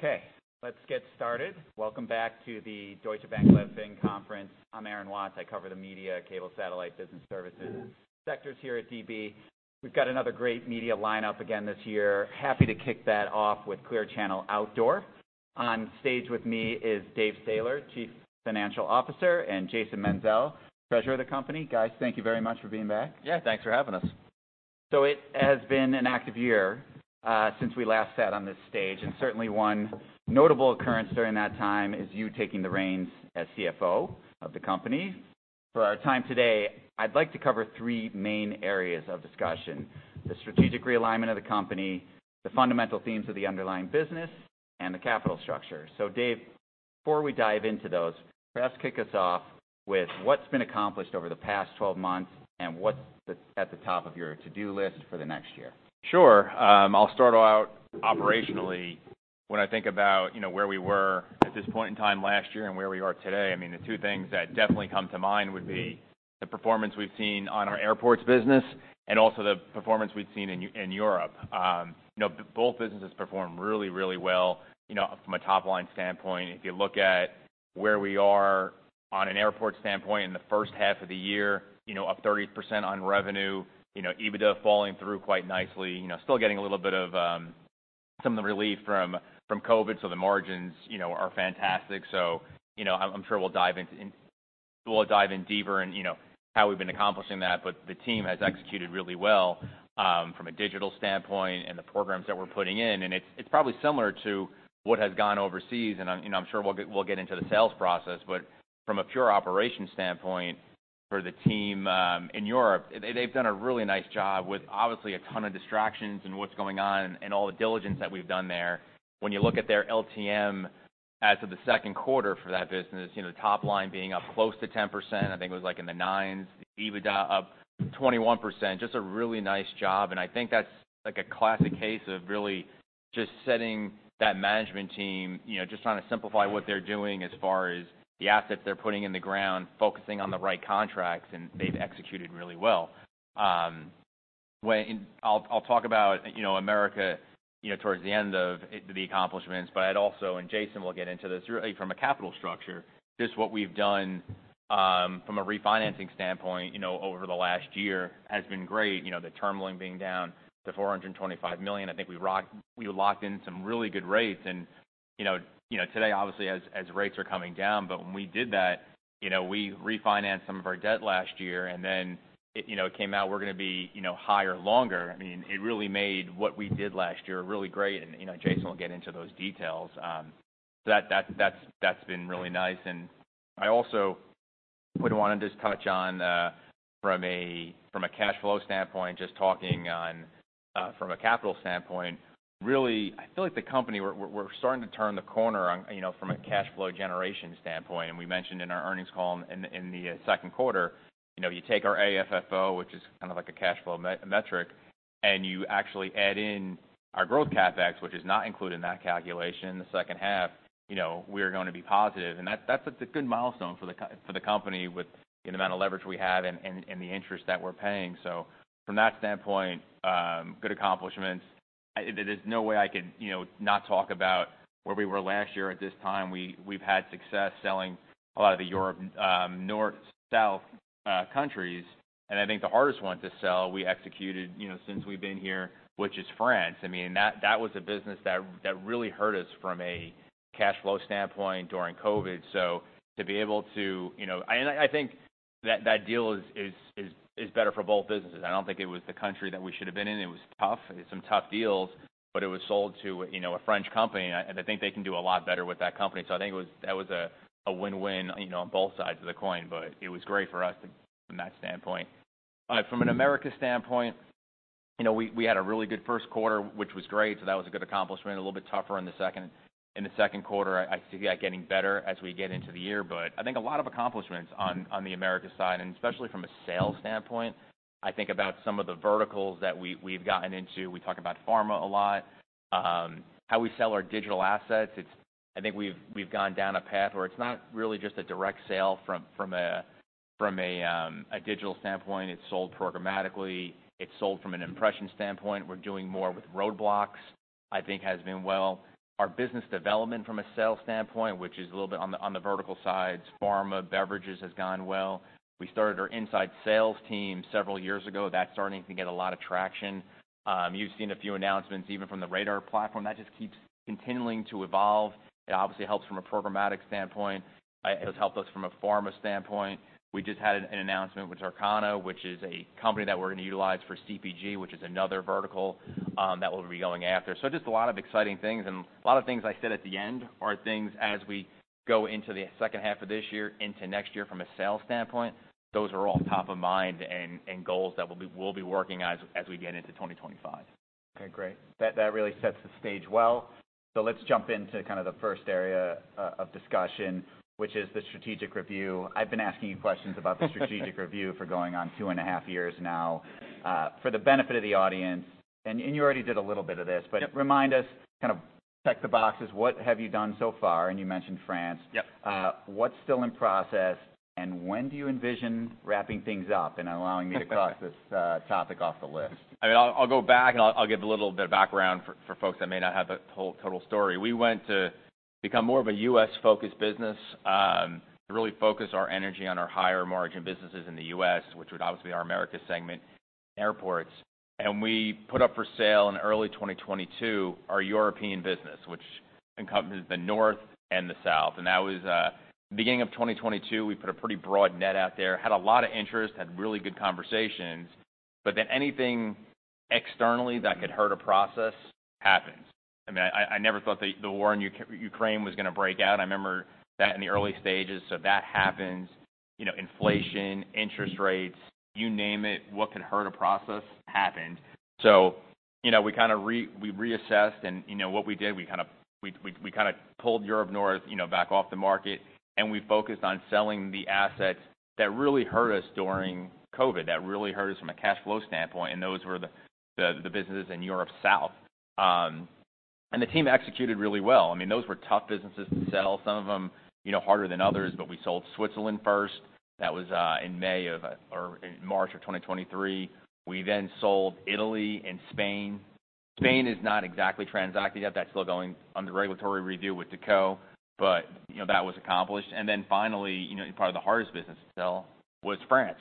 Okay, let's get started. Welcome back to the Deutsche Bank Leveraged Finance Conference. I'm Aaron Watts. I cover the media, cable, satellite business services sectors here at DB. We've got another great media lineup again this year. Happy to kick that off with Clear Channel Outdoor. On stage with me is David Sailer, Chief Financial Officer, and Jason Menzel, Treasurer of the company. Guys, thank you very much for being back. Yeah, thanks for having us. So it has been an active year, since we last sat on this stage, and certainly one notable occurrence during that time is you taking the reins as CFO of the company. For our time today, I'd like to cover three main areas of discussion: the strategic realignment of the company, the fundamental themes of the underlying business, and the capital structure. So Dave, before we dive into those, perhaps kick us off with what's been accomplished over the past twelve months and what's at the top of your to-do list for the next year? Sure. I'll start out operationally. When I think about, you know, where we were at this point in time last year and where we are today, I mean, the two things that definitely come to mind would be the performance we've seen on our airports business and also the performance we've seen in Europe. You know, both businesses performed really, really well, you know, from a top-line standpoint. If you look at where we are on an airport standpoint in the first half of the year, you know, up 30% on revenue, you know, EBITDA falling through quite nicely. You know, still getting a little bit of some of the relief from COVID, so the margins, you know, are fantastic, so you know, I'm sure we'll dive into, we'll dive in deeper and, you know, how we've been accomplishing that. But the team has executed really well from a digital standpoint and the programs that we're putting in, and it's probably similar to what has gone overseas. I'm you know I'm sure we'll get into the sales process, but from a pure operation standpoint for the team in Europe, they've done a really nice job with obviously a ton of distractions and what's going on and all the diligence that we've done there. When you look at their LTM as of the second quarter for that business, you know, top line being up close to 10%, I think it was like in the nines, EBITDA up 21%. Just a really nice job, and I think that's like a classic case of really just setting that management team, you know, just trying to simplify what they're doing as far as the assets they're putting in the ground, focusing on the right contracts, and they've executed really well. I'll talk about, you know, America, you know, towards the end of the, the accomplishments, but I'd also, and Jason will get into this, really, from a capital structure, just what we've done, from a refinancing standpoint, you know, over the last year has been great. You know, the term loan being down to $425 million, I think we locked in some really good rates and, you know, today, obviously, as rates are coming down, but when we did that, you know, we refinanced some of our debt last year, and then, you know, it came out we're going to be, you know, higher longer. I mean, it really made what we did last year really great and, you know, Jason will get into those details. So that's been really nice. And I also would want to just touch on from a cash flow standpoint, from a capital standpoint, really, I feel like the company, we're starting to turn the corner on, you know, from a cash flow generation standpoint. We mentioned in our earnings call in the second quarter, you know, you take our AFFO, which is kind of like a cash flow metric, and you actually add in our growth CapEx, which is not included in that calculation, in the second half, you know, we are going to be positive. That, that's a good milestone for the company with the amount of leverage we have and the interest that we're paying. From that standpoint, good accomplishments. There's no way I could, you know, not talk about where we were last year at this time. We've had success selling a lot of the Europe North, South countries, and I think the hardest one to sell, we executed, you know, since we've been here, which is France. I mean, that was a business that really hurt us from a cash flow standpoint during COVID. So to be able to, you know. And I think that deal is better for both businesses. I don't think it was the country that we should have been in. It was tough. It was some tough deals, but it was sold to, you know, a French company, and I think they can do a lot better with that company. So I think it was that was a win-win, you know, on both sides of the coin, but it was great for us from that standpoint. From an America standpoint, you know, we had a really good first quarter, which was great, so that was a good accomplishment. A little bit tougher in the second quarter. I see that getting better as we get into the year, but I think a lot of accomplishments on the America side, and especially from a sales standpoint. I think about some of the verticals that we've gotten into. We talk about pharma a lot, how we sell our digital assets. It's I think we've gone down a path where it's not really just a direct sale from a digital standpoint. It's sold programmatically. It's sold from an impression standpoint. We're doing more with roadblocks, I think has been well. Our business development from a sales standpoint, which is a little bit on the vertical sides, pharma, beverages, has gone well. We started our inside sales team several years ago. That's starting to get a lot of traction. You've seen a few announcements, even from the RADAR platform. That just keeps continuing to evolve. It obviously helps from a programmatic standpoint. It has helped us from a pharma standpoint. We just had an announcement with Circana, which is a company that we're going to utilize for CPG, which is another vertical, that we'll be going after. So just a lot of exciting things, and a lot of things I said at the end are things as we go into the second half of this year into next year from a sales standpoint, those are all top of mind and goals that we'll be working on as we get into 2025. Okay, great. That really sets the stage well. So let's jump into kind of the first area of discussion, which is the strategic review. I've been asking you questions about the strategic review for going on two and a half years now. For the benefit of the audience, and you already did a little bit of this. Yep but remind us, check the boxes, what have you done so far? And you mentioned France. Yep. What's still in process, and when do you envision wrapping things up and allowing me to cross this topic off the list? I mean, I'll go back and I'll give a little bit of background for folks that may not have the whole total story. We went to become more of a U.S.-focused business to really focus our energy on our higher margin businesses in the U.S., which would obviously be our Americas segment, airports. And we put up for sale in early 2022 our European business, which encompasses the North and the South. And that was beginning of 2022. We put a pretty broad net out there, had a lot of interest, had really good conversations, but then anything externally that could hurt a process happened. I mean, I never thought the war in Ukraine was gonna break out. I remember that in the early stages. So that happened, you know, inflation, interest rates, you name it, what could hurt a process happened. So, you know, we kinda reassessed and, you know, what we did, we kind of pulled Europe North, you know, back off the market, and we focused on selling the asset that really hurt us during COVID, that really hurt us from a cash flow standpoint, and those were the businesses in Europe South, and the team executed really well. I mean, those were tough businesses to sell, some of them, you know, harder than others, we sold Switzerland first. That was in May of, or in March of 2023. We then sold Italy and Spain. Spain is not exactly transacted yet. That's still going under regulatory review with JCDecaux, but, you know, that was accomplished, and then finally, you know, probably the hardest business to sell was France.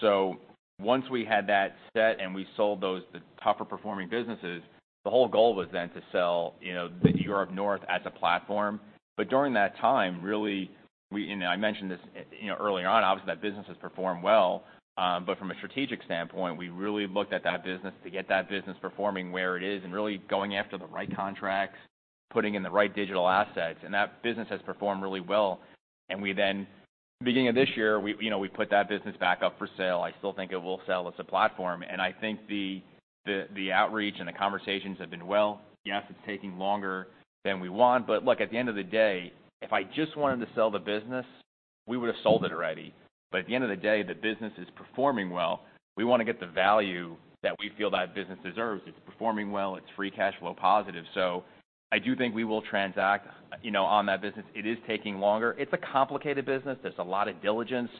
So once we had that set and we sold those, the tougher performing businesses, the whole goal was then to sell, you know, the Europe North as a platform. But during that time, really, we-- and I mentioned this, you know, early on, obviously, that business has performed well, but from a strategic standpoint, we really looked at that business to get that business performing where it is and really going after the right contracts, putting in the right digital assets, and that business has performed really well. And we then, beginning of this year, we, you know, we put that business back up for sale. I still think it will sell as a platform, and I think the, the, the outreach and the conversations have been well. Yes, it's taking longer than we want, but look, at the end of the day, if I just wanted to sell the business, we would have sold it already. But at the end of the day, the business is performing well. We wanna get the value that we feel that business deserves. It's performing well, it's free cash flow positive. So I do think we will transact, you know, on that business. It is taking longer. It's a complicated business. There's a lot of diligence,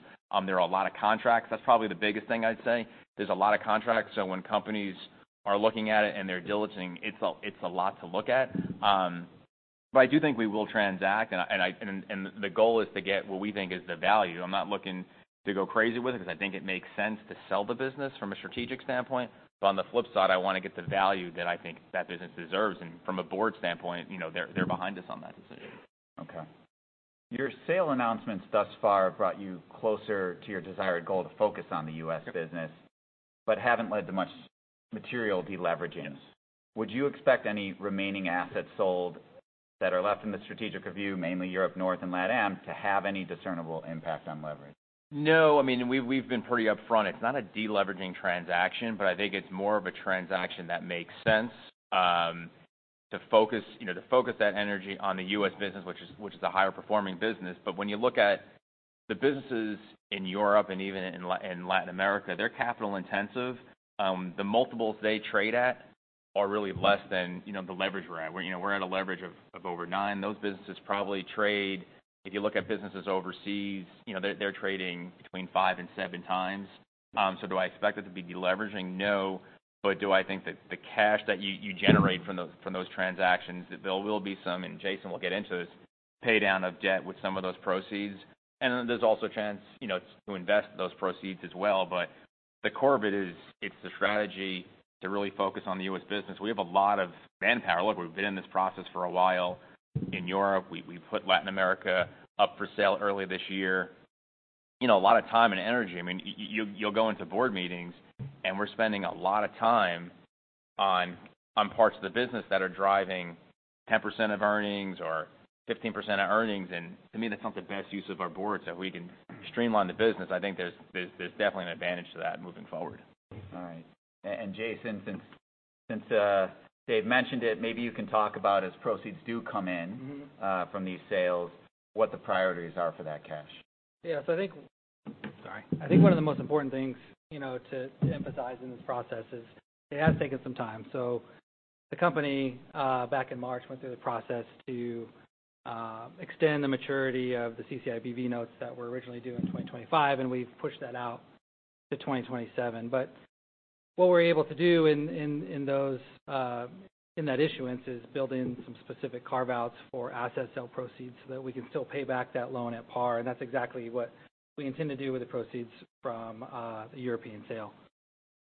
there are a lot of contracts. That's probably the biggest thing I'd say. There's a lot of contracts, so when companies are looking at it and they're diligencing, it's a lot to look at. But I do think we will transact, and the goal is to get what we think is the value. I'm not looking to go crazy with it, because I think it makes sense to sell the business from a strategic standpoint. But on the flip side, I wanna get the value that I think that business deserves, and from a board standpoint, you know, they're, they're behind us on that decision. Okay. Your sale announcements thus far have brought you closer to your desired goal to focus on the U.S. business, but haven't led to much material deleveraging. Would you expect any remaining assets sold that are left in the strategic review, mainly Europe, North, and LatAm, to have any discernible impact on leverage? No. I mean, we've, we've been pretty upfront. It's not a deleveraging transaction, but I think it's more of a transaction that makes sense to focus, you know, to focus that energy on the U.S. business, which is, which is a higher performing business, but when you look at the businesses in Europe and even in Latin America, they're capital intensive. The multiples they trade at are really less than, you know, the leverage we're at. You know, we're at a leverage of over nine. Those businesses probably trade if you look at businesses overseas, you know, they're trading between five and seven times, so do I expect it to be deleveraging? No. But do I think that the cash that you generate from those transactions, that there will be some, and Jason will get into this, pay down of debt with some of those proceeds? And then there's also a chance, you know, to invest those proceeds as well. But the core of it is, it's the strategy to really focus on the U.S. business. We have a lot of manpower. Look, we've been in this process for a while in Europe. We put Latin America up for sale early this year. You know, a lot of time and energy. I mean, you'll go into board meetings, and we're spending a lot of time on parts of the business that are driving 10% of earnings or 15% of earnings, and to me, that's not the best use of our board, so we can streamline the business. I think there's definitely an advantage to that moving forward. All right. And Jason, since Dave mentioned it, maybe you can talk about as proceeds do come in- Mm-hmm. From these sales, what the priorities are for that cash? Yeah, so I think. Sorry. I think one of the most important things, you know, to emphasize in this process is, it has taken some time. So the company back in March went through the process to extend the maturity of the CCIBV notes that were originally due in 2025, and we've pushed that out to 2027. But what we're able to do in that issuance is build in some specific carve-outs for asset sale proceeds, so that we can still pay back that loan at par, and that's exactly what we intend to do with the proceeds from the European sale.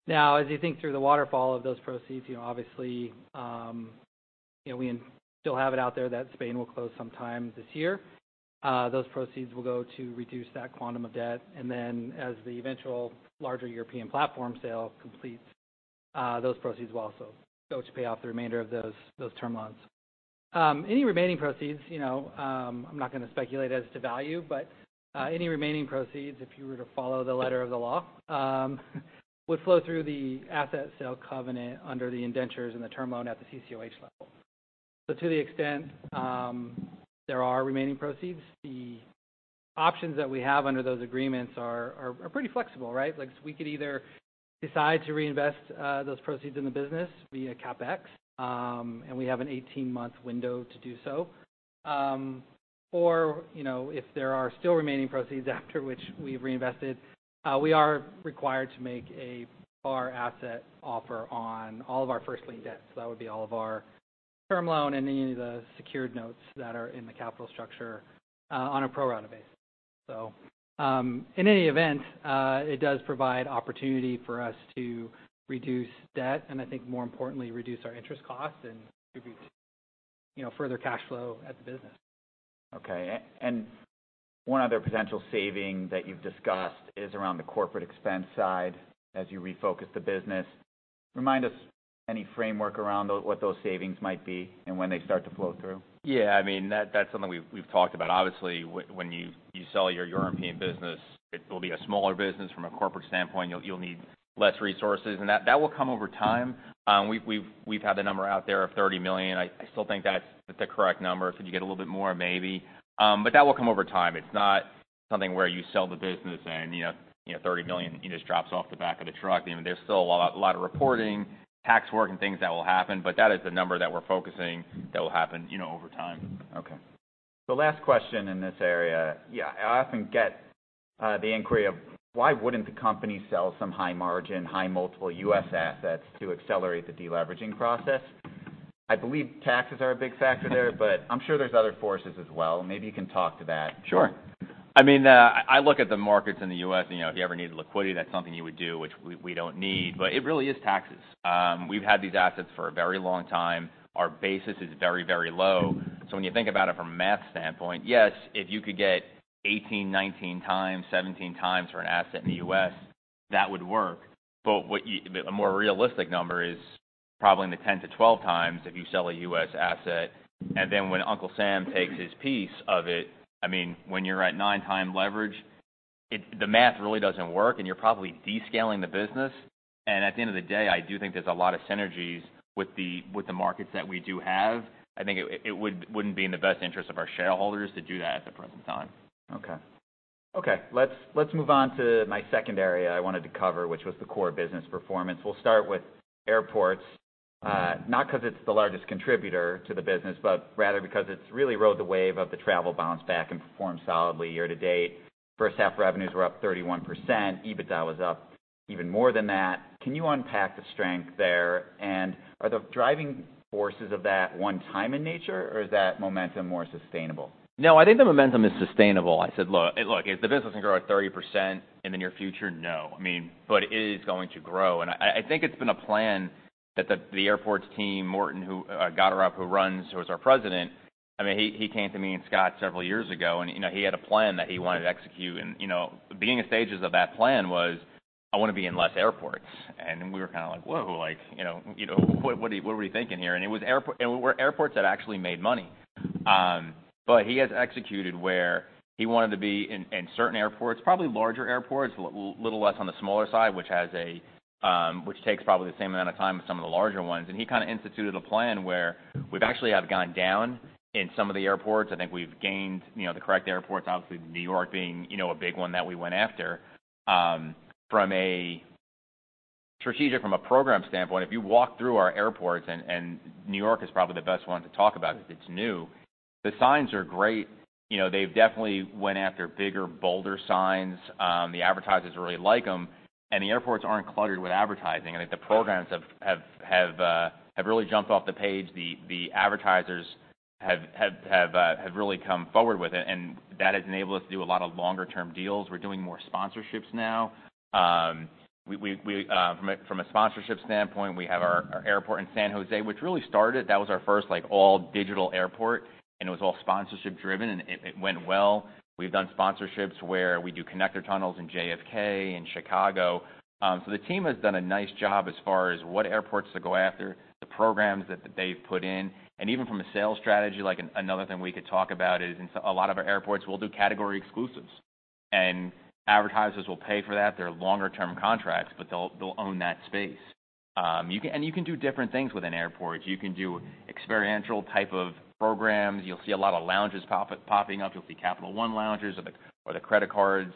Now, as you think through the waterfall of those proceeds, you know, obviously, you know, we still have it out there that Spain will close sometime this year. Those proceeds will go to reduce that quantum of debt, and then as the eventual larger European platform sale completes, those proceeds will also go to pay off the remainder of those term loans. Any remaining proceeds, you know, I'm not gonna speculate as to value, but any remaining proceeds, if you were to follow the letter of the law, would flow through the asset sale covenant under the indentures and the term loan at the CCOH level. So to the extent there are remaining proceeds, the options that we have under those agreements are pretty flexible, right? Like, we could either decide to reinvest those proceeds in the business via CapEx, and we have an eighteen-month window to do so. Or, you know, if there are still remaining proceeds after which we've reinvested, we are required to make a Par Asset Offer on all of our First Lien debts. So that would be all of our Term Loan and any of the secured notes that are in the capital structure, on a pro rata basis. So, in any event, it does provide opportunity for us to reduce debt, and I think more importantly, reduce our interest costs and distribute, you know, further cash flow at the business. Okay. And one other potential saving that you've discussed is around the corporate expense side as you refocus the business. Remind us any framework around what those savings might be and when they start to flow through? Yeah, I mean, that's something we've talked about. Obviously, when you sell your European business, it will be a smaller business from a corporate standpoint. You'll need less resources, and that will come over time. We've had the number out there of $30 million. I still think that's the correct number. Could you get a little bit more? Maybe. But that will come over time. It's not something where you sell the business and, you know, $30 million drops off the back of the truck. You know, there's still a lot of reporting, tax work, and things that will happen, but that is the number that we're focusing that will happen, you know, over time. Okay. The last question in this area. Yeah, I often get the inquiry of: Why wouldn't the company sell some high margin, high multiple US assets to accelerate the deleveraging process? I believe taxes are a big factor there, but I'm sure there's other forces as well. Maybe you can talk to that. Sure. I mean, I look at the markets in the U.S., and, you know, if you ever need liquidity, that's something you would do, which we don't need, but it really is taxes. We've had these assets for a very long time. Our basis is very, very low. So when you think about it from a math standpoint, yes, if you could get 18, 19 times, 17 times for an asset in the U.S., that would work. But a more realistic number is probably in the 10-12 times if you sell a U.S. asset, and then when Uncle Sam takes his piece of it, I mean, when you're at nine-time leverage, the math really doesn't work, and you're probably descaling the business. At the end of the day, I do think there's a lot of synergies with the markets that we do have. I think it wouldn't be in the best interest of our shareholders to do that at the present time. Okay. Okay, let's, let's move on to my second area I wanted to cover, which was the core business performance. We'll start with airports, not because it's the largest contributor to the business, but rather because it's really rode the wave of the travel bounce back and performed solidly year to date. First half, revenues were up 31%. EBITDA was up even more than that. Can you unpack the strength there, and are the driving forces of that one time in nature, or is that momentum more sustainable? No, I think the momentum is sustainable. I said, look, look, is the business going to grow at 30% in the near future? No, I mean, but it is going to grow. And I, I think it's been a plan that the, the airports team, Morten Gotterup, who runs, who is our president, I mean, he, he came to me and Scott several years ago, and, you know, he had a plan that he wanted to execute, and, you know, the beginning stages of that plan was, I want to be in less airports. And we were kind of like, Whoa! Like, you know, you know, what, what are you thinking here? And it was airport- and were airports that actually made money. But he has executed where he wanted to be in certain airports, probably larger airports, little less on the smaller side, which has a, which takes probably the same amount of time as some of the larger ones. And he kind of instituted a plan where we've actually gone down in some of the airports. I think we've gained, you know, the correct airports, obviously, New York being, you know, a big one that we went after. From a strategic, from a program standpoint, if you walk through our airports, and New York is probably the best one to talk about because it's new, the signs are great. You know, they've definitely went after bigger, bolder signs. The advertisers really like them, and the airports aren't cluttered with advertising. I think the programs have really jumped off the page. The advertisers have really come forward with it, and that has enabled us to do a lot of longer-term deals. We're doing more sponsorships now. From a sponsorship standpoint, we have our airport in San Jose, which really started, that was our first, like, all-digital airport, and it went well. We've done sponsorships where we do connector tunnels in JFK, in Chicago. So the team has done a nice job as far as what airports to go after, the programs that they've put in, and even from a sales strategy, like another thing we could talk about is in a lot of our airports, we'll do category exclusives, and advertisers will pay for that. They're longer term contracts, but they'll own that space. You can do different things within airports. You can do experiential type of programs. You'll see a lot of lounges popping up. You'll see Capital One lounges or the credit cards.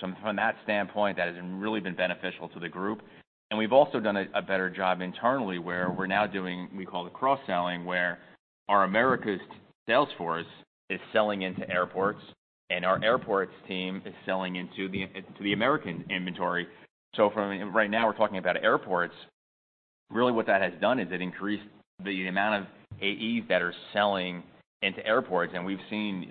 From that standpoint, that has really been beneficial to the group. We've also done a better job internally, where we're now doing we call it cross-selling, where our Americas sales force is selling into airports, and our airports team is selling into the Americas inventory. Right now, we're talking about airports. Really, what that has done is it increased the amount of AEs that are selling into airports, and we've seen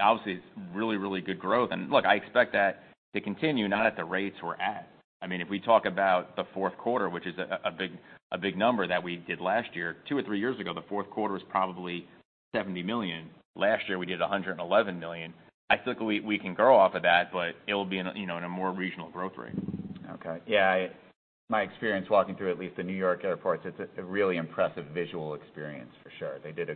obviously it's really, really good growth. Look, I expect that to continue, not at the rates we're at. I mean, if we talk about the fourth quarter, which is a big number that we did last year, two or three years ago, the fourth quarter was probably $70 million. Last year, we did $111 million. I think we can grow off of that, but it'll be in a, you know, more regional growth rate. Okay. Yeah, I... My experience walking through, at least the New York airports, it's a really impressive visual experience for sure. You did,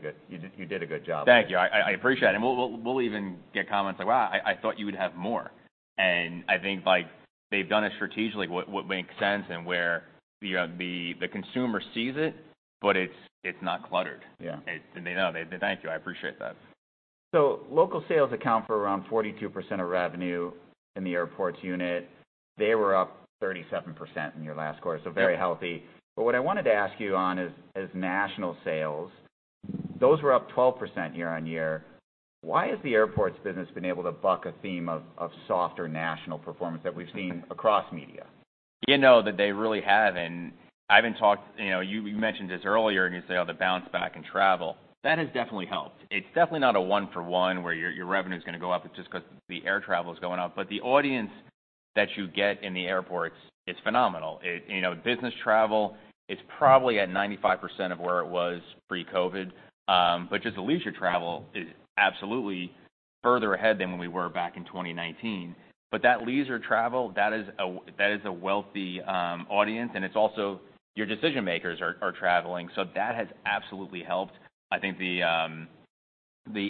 you did a good job. Thank you. I appreciate it. And we'll even get comments like, "Wow, I thought you would have more."... and I think, like, they've done it strategically, what makes sense, and where, you know, the consumer sees it, but it's not cluttered. Yeah. And they know. Thank you. I appreciate that. Local sales account for around 42% of revenue in the airports unit. They were up 37% in your last quarter, so very healthy. But what I wanted to ask you on is national sales. Those were up 12% year-on-year. Why has the airports business been able to buck a theme of softer national performance that we've seen across media? You know, that they really have, and I haven't talked... You know, you mentioned this earlier, and you say, Oh, the bounce back in travel. That has definitely helped. It's definitely not a one for one, where your revenue is gonna go up just 'cause the air travel is going up. But the audience that you get in the airports, it's phenomenal. It. You know, business travel, it's probably at 95% of where it was pre-COVID, but just the leisure travel is absolutely further ahead than we were back in twenty nineteen. But that leisure travel, that is a wealthy audience, and it's also your decision makers are traveling. So that has absolutely helped. I think the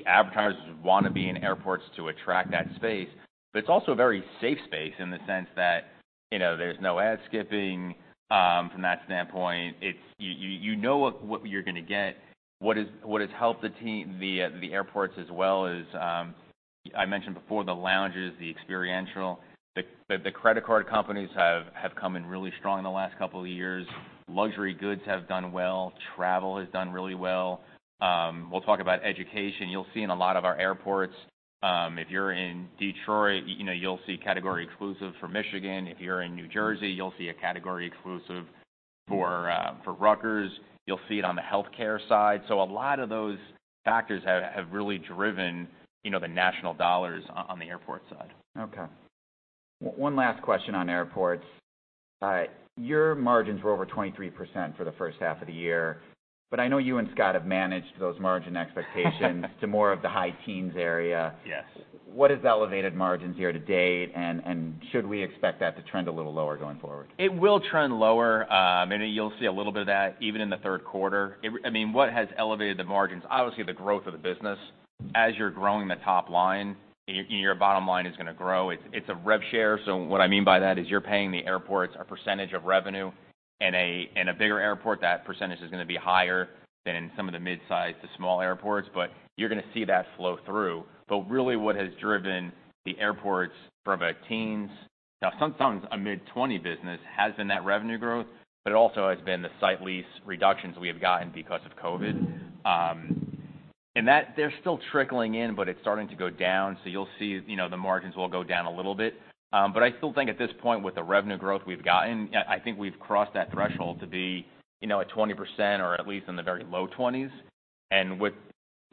advertisers wanna be in airports to attract that space, but it's also a very safe space in the sense that, you know, there's no ad skipping from that standpoint. It's you know what you're gonna get. What has helped the team, the airports as well is, I mentioned before, the lounges, the experiential. The credit card companies have come in really strong in the last couple of years. Luxury goods have done well. Travel has done really well. We'll talk about education. You'll see in a lot of our airports, if you're in Detroit, you know, you'll see category exclusive for Michigan. If you're in New Jersey, you'll see a category exclusive for Rutgers. You'll see it on the healthcare side. A lot of those factors have really driven, you know, the national dollars on the airport side. Okay. One last question on airports. Your margins were over 23% for the first half of the year, but I know you and Scott have managed those margin expectations to more of the high teens area. Yes. What has elevated margins year to date, and should we expect that to trend a little lower going forward? It will trend lower. Maybe you'll see a little bit of that even in the third quarter. I mean, what has elevated the margins? Obviously, the growth of the business. As you're growing the top line, your bottom line is gonna grow. It's a rev share. So what I mean by that is you're paying the airports a percentage of revenue, in a bigger airport, that percentage is gonna be higher than in some of the mid-size to small airports, but you're gonna see that flow through. But really, what has driven the airports from a teens, now, sometimes a mid-twenty business, has been that revenue growth, but it also has been the site lease reductions we have gotten because of COVID. They're still trickling in, but it's starting to go down, so you'll see, you know, the margins will go down a little bit. I still think at this point, with the revenue growth we've gotten, I think we've crossed that threshold to be, you know, at 20% or at least in the very low twenties.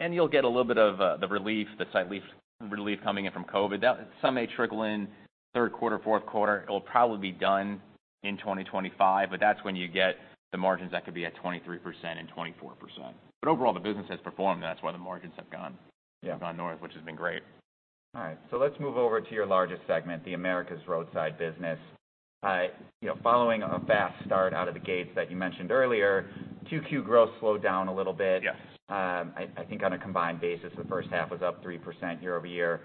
You'll get a little bit of the relief, the site lease relief coming in from COVID. Some may trickle in third quarter, fourth quarter. It will probably be done in 2025, but that's when you get the margins that could be at 23% and 24%. Overall, the business has performed, and that's why the margins have gone- Yeah... gone north, which has been great. All right, so let's move over to your largest segment, the Americas Roadside business. You know, following a fast start out of the gates that you mentioned earlier, QQ growth slowed down a little bit. Yes. I think on a combined basis, the first half was up 3% year over year.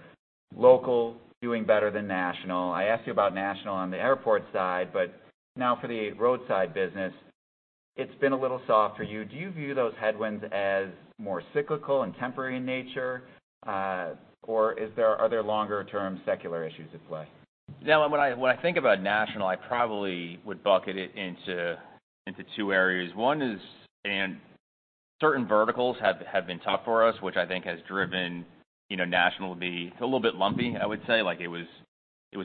Local doing better than national. I asked you about national on the airport side, but now for the roadside business, it's been a little soft for you. Do you view those headwinds as more cyclical and temporary in nature, or is there, are there longer-term secular issues at play? Now, when I think about national, I probably would bucket it into two areas. One is... And certain verticals have been tough for us, which I think has driven, you know, national to be a little bit lumpy, I would say. Like, it was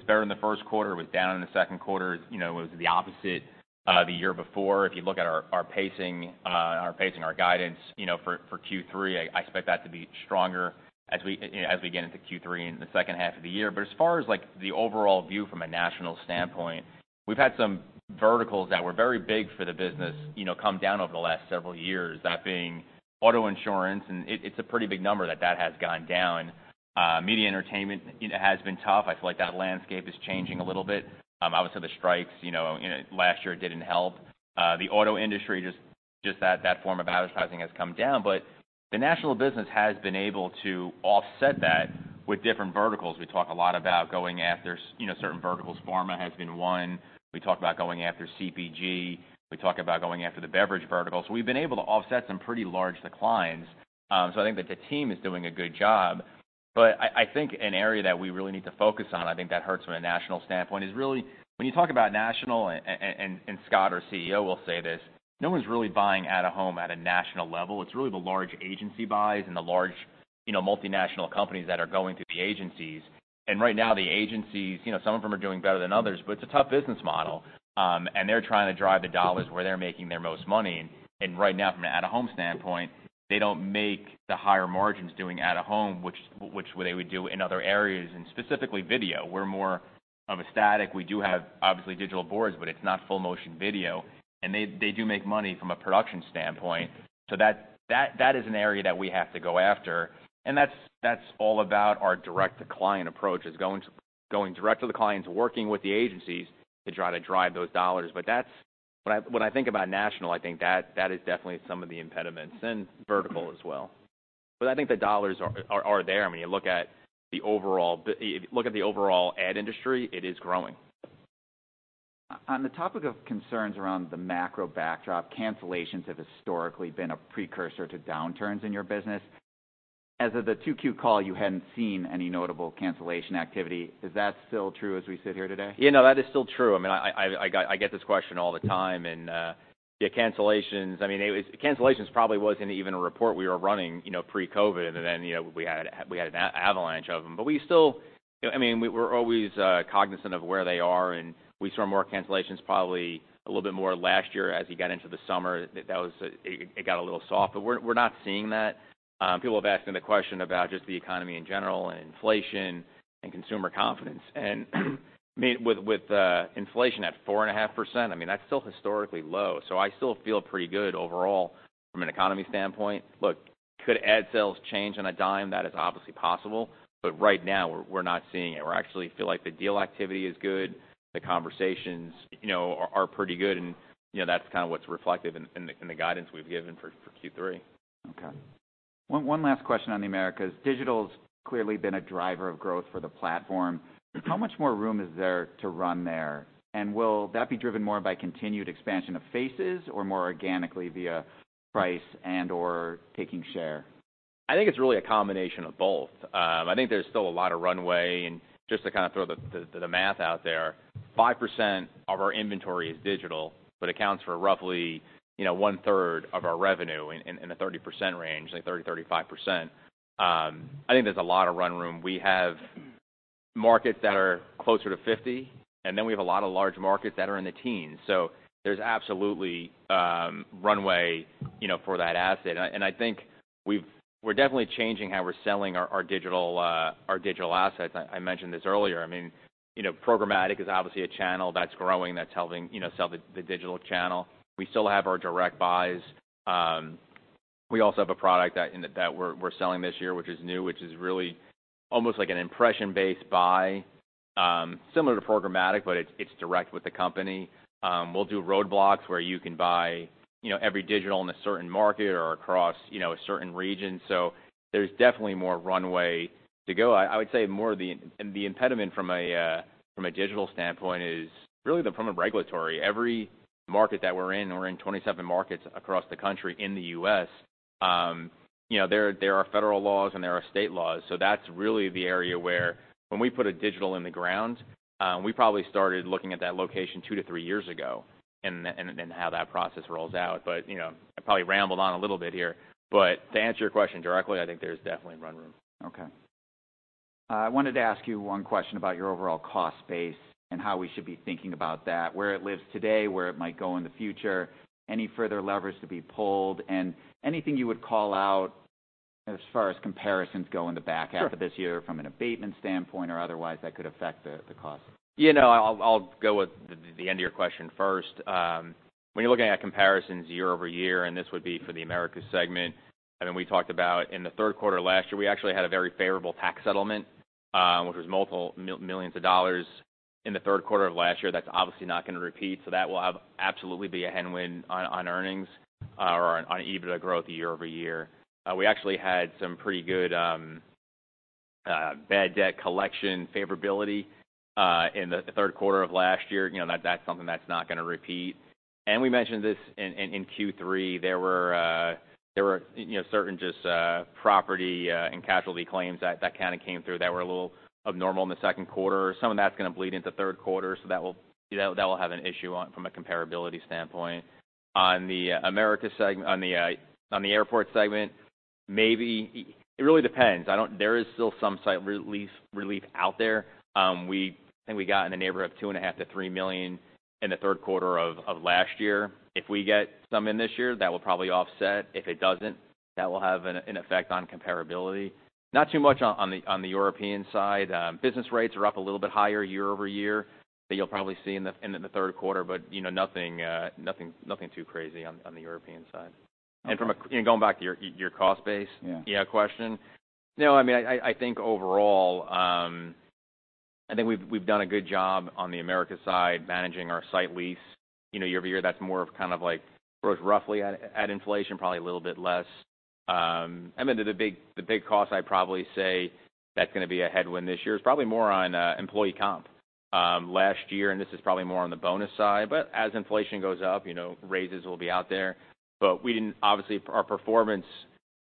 better in the first quarter, it was down in the second quarter. You know, it was the opposite, the year before. If you look at our pacing, our guidance, you know, for Q3, I expect that to be stronger as we, you know, as we get into Q3 in the second half of the year. But as far as, like, the overall view from a national standpoint, we've had some verticals that were very big for the business, you know, come down over the last several years, that being auto insurance, and it's a pretty big number that has gone down. Media entertainment, it has been tough. I feel like that landscape is changing a little bit. Obviously, the strikes, you know, last year didn't help. The auto industry, just that form of advertising has come down. But the national business has been able to offset that with different verticals. We talk a lot about going after, you know, certain verticals. Pharma has been one. We talk about going after CPG. We talk about going after the beverage verticals. We've been able to offset some pretty large declines, so I think that the team is doing a good job. But I think an area that we really need to focus on, I think that hurts from a national standpoint, is really when you talk about national, and Scott, our CEO, will say this: No one's really buying out-of-home at a national level. It's really the large agency buys and the large, you know, multinational companies that are going to the agencies. And right now, the agencies, you know, some of them are doing better than others, but it's a tough business model. And they're trying to drive the dollars where they're making their most money. And right now, from an out-of-home standpoint, they don't make the higher margins doing out-of-home, which they would do in other areas, and specifically video. We're more of a static. We do have, obviously, digital boards, but it's not full-motion video, and they do make money from a production standpoint. So that is an area that we have to go after, and that's all about our direct-to-client approach, is going direct to the clients, working with the agencies to try to drive those dollars. But that's... When I think about national, I think that is definitely some of the impediments, and vertical as well. But I think the dollars are there. I mean, you look at the overall, if you look at the overall ad industry, it is growing. On the topic of concerns around the macro backdrop, cancellations have historically been a precursor to downturns in your business. As of the 2Q call, you hadn't seen any notable cancellation activity. Is that still true as we sit here today? You know, that is still true. I mean, I get this question all the time, and yeah, cancellations, I mean, it was cancellations probably wasn't even a report we were running, you know, pre-COVID, and then, you know, we had an avalanche of them. But we still, I mean, we're always cognizant of where they are, and we saw more cancellations probably a little bit more last year as we got into the summer. That was, it got a little soft, but we're not seeing that. People have asking the question about just the economy in general and inflation and consumer confidence. I mean, with inflation at 4.5%, I mean, that's still historically low, so I still feel pretty good overall from an economy standpoint. Look, could ad sales change on a dime? That is obviously possible, but right now, we're not seeing it. We're actually feel like the deal activity is good, the conversations, you know, are pretty good, and, you know, that's kind of what's reflective in the guidance we've given for Q3. Okay. One last question on the Americas. Digital's clearly been a driver of growth for the platform. How much more room is there to run there? And will that be driven more by continued expansion of faces or more organically via price and/or taking share? I think it's really a combination of both. I think there's still a lot of runway, and just to kind of throw the math out there, 5% of our inventory is digital, but accounts for roughly, you know, one third of our revenue in the 30% range, like 30-35%. I think there's a lot of run room. We have markets that are closer to 50%, and then we have a lot of large markets that are in the teens. So there's absolutely runway, you know, for that asset. I think we've-- we're definitely changing how we're selling our digital assets. I mentioned this earlier. I mean, you know, programmatic is obviously a channel that's growing, that's helping, you know, sell the digital channel. We still have our direct buys. We also have a product that we're selling this year, which is new, which is really almost like an impression-based buy, similar to programmatic, but it's direct with the company. We'll do roadblocks where you can buy, you know, every digital in a certain market or across, you know, a certain region. So there's definitely more runway to go. I would say more of the... And the impediment from a digital standpoint is really the form of regulatory. Every market that we're in, we're in twenty-seven markets across the country in the U.S., you know, there are federal laws, and there are state laws. So that's really the area where when we put a digital in the ground, we probably started looking at that location two to three years ago and the how that process rolls out. But, you know, I probably rambled on a little bit here, but to answer your question directly, I think there's definitely run room. Okay. I wanted to ask you one question about your overall cost base and how we should be thinking about that, where it lives today, where it might go in the future, any further levers to be pulled, and anything you would call out as far as comparisons go in the back- Sure -half of this year from an abatement standpoint or otherwise, that could affect the cost? You know, I'll go with the end of your question first. When you're looking at comparisons year over year, and this would be for the Americas segment, I mean, we talked about in the third quarter last year, we actually had a very favorable tax settlement, which was multiple millions of dollars in the third quarter of last year. That's obviously not going to repeat, so that will have absolutely be a headwind on earnings, or on EBITDA growth year over year. We actually had some pretty good bad debt collection favorability in the third quarter of last year. You know, that's something that's not going to repeat. And we mentioned this in Q3. There were you know certain just property and casualty claims that kind of came through that were a little abnormal in the second quarter. Some of that's going to bleed into third quarter, so that will you know have an issue on from a comparability standpoint. On the airport segment, maybe... It really depends. There is still some site relief out there. I think we got in the neighborhood of $2.5 million-$3 million in the third quarter of last year. If we get some in this year, that will probably offset. If it doesn't, that will have an effect on comparability. Not too much on the European side. Business rates are up a little bit higher year over year, that you'll probably see in the third quarter, but, you know, nothing, nothing too crazy on the European side. Okay. And going back to your cost base- Yeah. Yeah. No, I mean, I think overall, I think we've done a good job on the Americas side, managing our site lease. You know, year over year, that's more of kind of like grows roughly at inflation, probably a little bit less. I mean, the big cost, I'd probably say that's going to be a headwind this year. It's probably more on employee comp. Last year, and this is probably more on the bonus side, but as inflation goes up, you know, raises will be out there. But we didn't, obviously, our performance,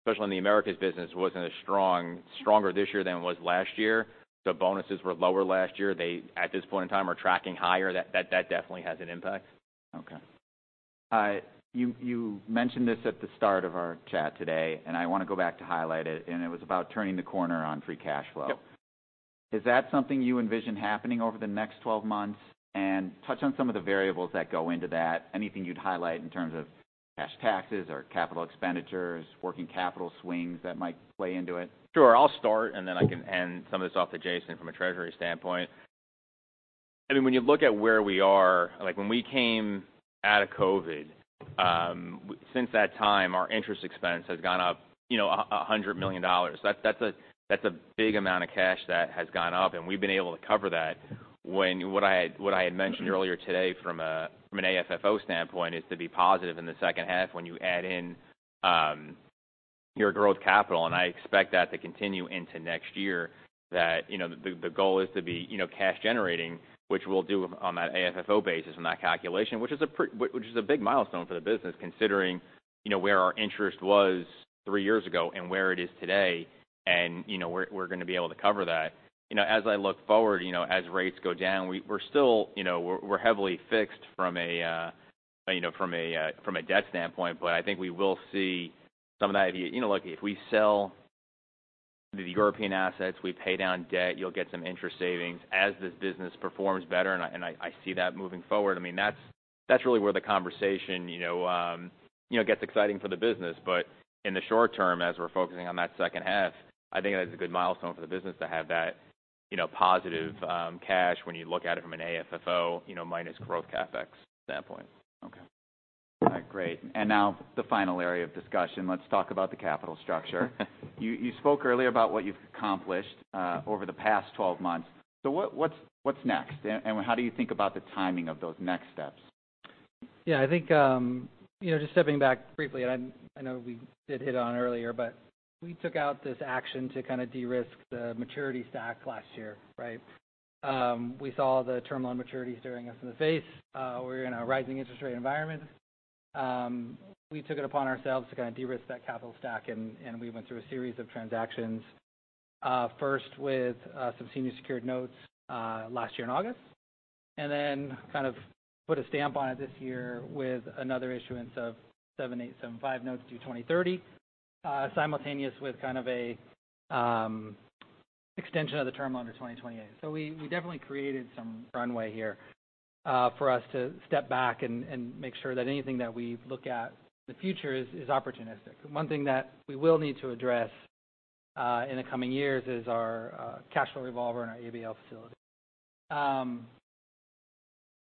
especially in the Americas business, wasn't as strong, stronger this year than it was last year. The bonuses were lower last year. They, at this point in time, are tracking higher. That definitely has an impact. Okay. You mentioned this at the start of our chat today, and I want to go back to highlight it, and it was about turning the corner on free cash flow. Yep. Is that something you envision happening over the next twelve months? And touch on some of the variables that go into that. Anything you'd highlight in terms of cash taxes or capital expenditures, working capital swings that might play into it? Sure. I'll start, and then I can end some of this off to Jason from a treasury standpoint. I mean, when you look at where we are, like, when we came out of COVID, since that time, our interest expense has gone up, you know, $100 million. That's a big amount of cash that has gone up, and we've been able to cover that. What I had mentioned earlier today from an AFFO standpoint is to be positive in the second half when you add in... your growth capital, and I expect that to continue into next year. You know, the goal is to be, you know, cash generating, which we'll do on that AFFO basis on that calculation, which is a big milestone for the business, considering, you know, where our interest was three years ago and where it is today. You know, we're gonna be able to cover that. You know, as I look forward, you know, as rates go down, we're still, you know, we're heavily fixed from a debt standpoint. But I think we will see some of that, you know, like, if we sell the European assets, we pay down debt, you'll get some interest savings as this business performs better, and I see that moving forward. I mean, that's, that's really where the conversation, you know, you know, gets exciting for the business. But in the short term, as we're focusing on that second half, I think that's a good milestone for the business to have that, you know, positive cash when you look at it from an AFFO, you know, minus Growth CapEx standpoint. Okay. All right, great. And now the final area of discussion. Let's talk about the capital structure. You spoke earlier about what you've accomplished over the past twelve months. So what's next, and how do you think about the timing of those next steps? Yeah, I think, you know, just stepping back briefly, and I know we did hit on it earlier, but we took out this action to kind of de-risk the maturity stack last year, right? We saw the term loan maturities staring us in the face. We were in a rising interest rate environment. We took it upon ourselves to kind of de-risk that capital stack, and we went through a series of transactions, first with some senior secured notes last year in August, and then kind of put a stamp on it this year with another issuance of 7.875 notes due 2030, simultaneous with kind of a extension of the term loan to 2028. So we definitely created some runway here for us to step back and make sure that anything that we look at in the future is opportunistic. One thing that we will need to address in the coming years is our cash flow revolver and our ABL facility.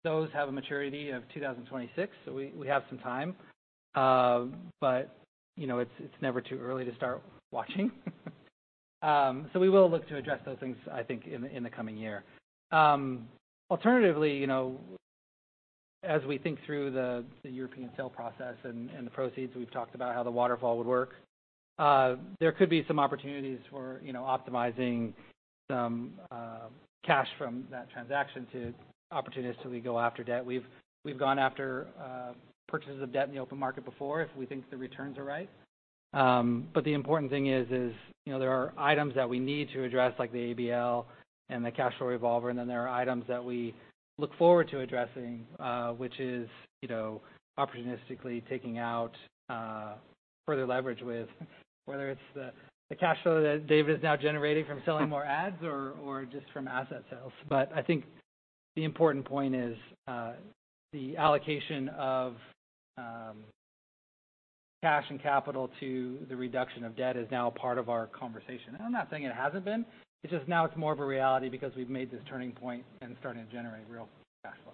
Those have a maturity of two thousand and twenty-six, so we have some time. But you know, it's never too early to start watching. So we will look to address those things, I think, in the coming year. Alternatively, you know, as we think through the European sale process and the proceeds, we've talked about how the waterfall would work. There could be some opportunities for you know, optimizing some cash from that transaction to opportunistically go after debt. We've gone after purchases of debt in the open market before if we think the returns are right. But the important thing is, you know, there are items that we need to address, like the ABL and the cash flow revolver, and then there are items that we look forward to addressing, which is, you know, opportunistically taking out further leverage with, whether it's the cash flow that David is now generating from selling more ads or just from asset sales. But I think the important point is the allocation of cash and capital to the reduction of debt is now a part of our conversation, and I'm not saying it hasn't been. It's just now it's more of a reality because we've made this turning point and starting to generate real cash flow.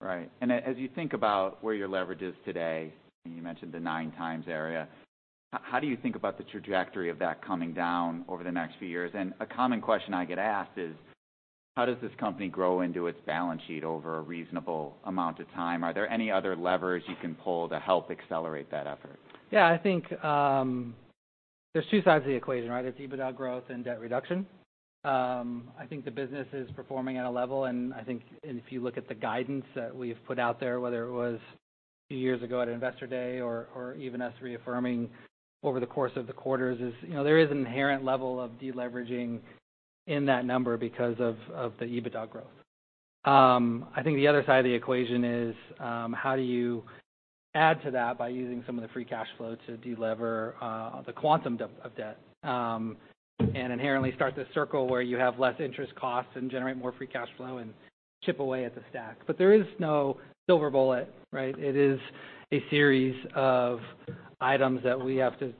Right. And as you think about where your leverage is today, and you mentioned the nine times area, how do you think about the trajectory of that coming down over the next few years? And a common question I get asked is: how does this company grow into its balance sheet over a reasonable amount of time? Are there any other levers you can pull to help accelerate that effort? Yeah, I think, there's two sides of the equation, right? There's EBITDA growth and debt reduction. I think the business is performing at a level, and I think, and if you look at the guidance that we've put out there, whether it was a few years ago at Investor Day or, or even us reaffirming over the course of the quarters, is, you know, there is an inherent level of deleveraging in that number because of the EBITDA growth. I think the other side of the equation is, how do you add to that by using some of the free cash flow to delever, the quantum of debt, and inherently start this circle where you have less interest costs and generate more free cash flow and chip away at the stack. But there is no silver bullet, right? It is a series of items that we have to...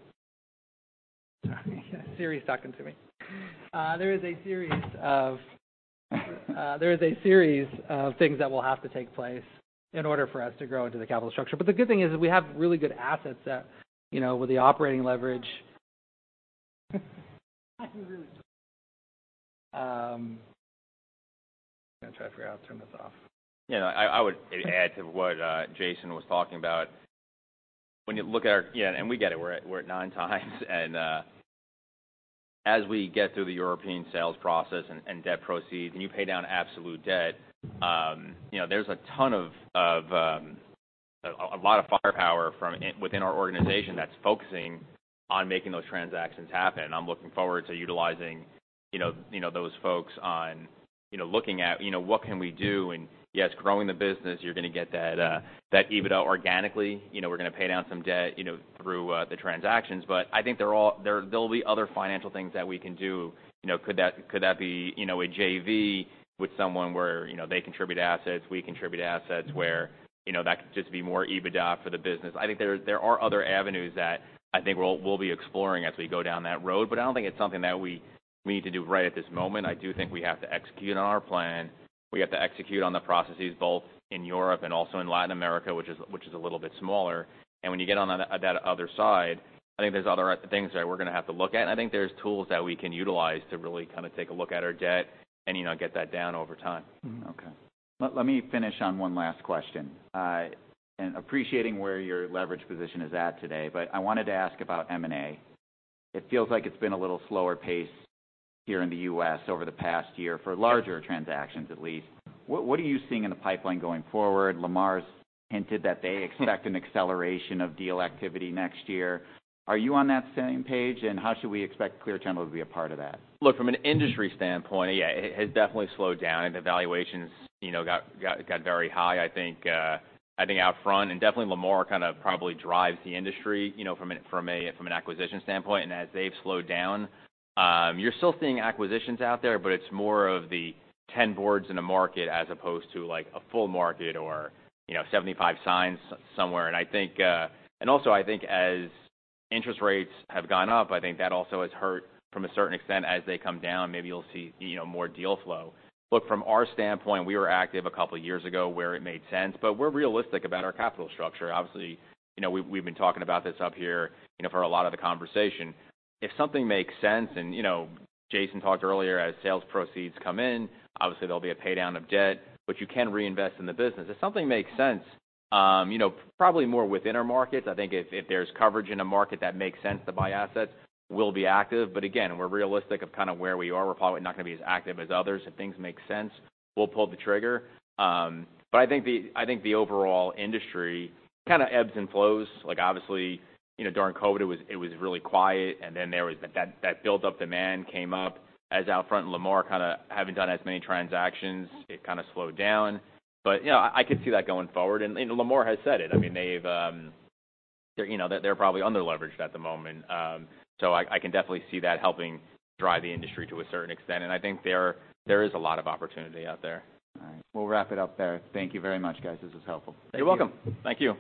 Sorry, Siri's talking to me. There is a series of things that will have to take place in order for us to grow into the capital structure. But the good thing is we have really good assets that, you know, with the operating leverage. I'm gonna try to figure out how to turn this off. You know, I would add to what Jason was talking about. When you look at our... Yeah, and we get it, we're at nine times. And as we get through the European sales process and debt proceeds, and you pay down absolute debt, you know, there's a ton of a lot of firepower from within our organization that's focusing on making those transactions happen. I'm looking forward to utilizing, you know, you know, those folks on, you know, looking at, you know, what can we do? And yes, growing the business, you're gonna get that EBITDA organically. You know, we're gonna pay down some debt, you know, through the transactions. But I think there will be other financial things that we can do. You know, could that be, you know, a JV with someone where, you know, they contribute assets, we contribute assets, where, you know, that could just be more EBITDA for the business? I think there are other avenues that I think we'll be exploring as we go down that road, but I don't think it's something that we need to do right at this moment. I do think we have to execute on our plan. We have to execute on the processes, both in Europe and also in Latin America, which is a little bit smaller. And when you get on that other side, I think there's other things that we're gonna have to look at, and I think there's tools that we can utilize to really kind of take a look at our debt and, you know, get that down over time. Mm-hmm. Okay. Let me finish on one last question, and appreciating where your leverage position is at today, but I wanted to ask about M&A. It feels like it's been a little slower pace here in the U.S. over the past year for larger transactions, at least. What are you seeing in the pipeline going forward? Lamar's hinted that they expect an acceleration of deal activity next year. Are you on that same page? And how should we expect Clear Channel to be a part of that? Look, from an industry standpoint, yeah, it has definitely slowed down, and the valuations, you know, got very high, I think. I think Outfront, and definitely Lamar kind of probably drives the industry, you know, from an acquisition standpoint. And as they've slowed down, you're still seeing acquisitions out there, but it's more of the ten boards in a market as opposed to, like, a full market or, you know, 75 signs somewhere. And I think. And also, I think as interest rates have gone up, I think that also has hurt from a certain extent. As they come down, maybe you'll see, you know, more deal flow. Look, from our standpoint, we were active a couple of years ago where it made sense, but we're realistic about our capital structure. Obviously, you know, we've been talking about this up here, you know, for a lot of the conversation. If something makes sense, and, you know, Jason talked earlier, as sales proceeds come in, obviously there'll be a pay down of debt, but you can reinvest in the business. If something makes sense, you know, probably more within our markets, I think if there's coverage in a market that makes sense to buy assets, we'll be active. But again, we're realistic of kind of where we are. We're probably not going to be as active as others. If things make sense, we'll pull the trigger. But I think the overall industry kind of ebbs and flows. Like, obviously, you know, during COVID, it was really quiet, and then that built-up demand came up. As Outfront, Lamar kind of having done as many transactions, it kind of slowed down. But you know, I could see that going forward. And Lamar has said it. I mean, they've, you know, they're probably under-leveraged at the moment. So I can definitely see that helping drive the industry to a certain extent, and I think there is a lot of opportunity out there. All right. We'll wrap it up there. Thank you very much, guys. This was helpful. You're welcome. Thank you.